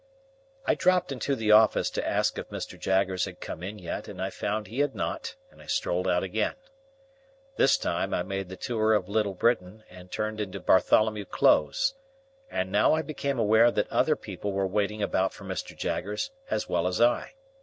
I dropped into the office to ask if Mr. Jaggers had come in yet, and I found he had not, and I strolled out again. This time, I made the tour of Little Britain, and turned into Bartholomew Close; and now I became aware that other people were waiting about for Mr. Jaggers, as well as I.